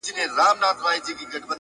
• ه ستا د سترگو احترام نه دی، نو څه دی،